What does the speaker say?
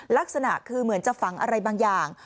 ลักษณะคือเหมือนจะฝังอะไรบางอย่าง